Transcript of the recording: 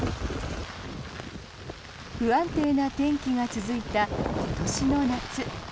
不安定な天気が続いた今年の夏。